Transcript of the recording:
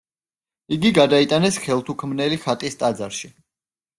იგი გადაიტანეს ხელთუქმნელი ხატის ტაძარში.